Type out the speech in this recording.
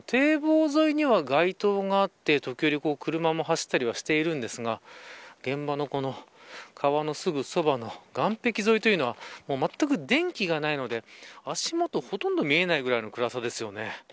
堤防添いには街灯があって時折車も走ったりはしていますが現場のこの川のすぐそばの岸壁沿いというのはまったく電気がないので足元、ほとんど見えないくらいの暗さです。